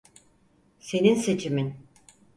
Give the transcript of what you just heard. Senin seçimin.